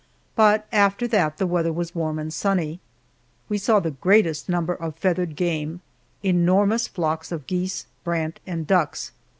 But after that the weather was warm and sunny. We saw the greatest number of feathered game enormous flocks of geese, brant, and ducks.